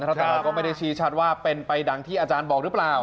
แต่เราก็ไม่ได้ชี้ชัดว่าเป็นไปดังที่อาจารย์บอกหรือเปล่า